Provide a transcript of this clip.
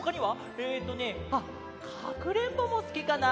えっとねあっかくれんぼもすきかな。